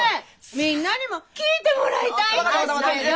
みんなにも聞いてもらいたいんですけど！